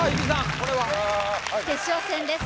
これは決勝戦です